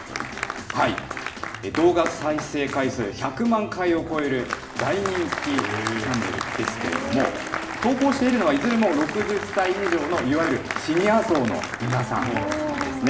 動画再生回数１００万回を超える大人気チャンネルですけれども、投稿しているのは、いずれも６０歳以上の、いわゆるシニア層の皆さんなんですね。